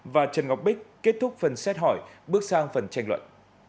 và trần ngọc bích kết thúc phần xét hỏi bước sang phần tranh luận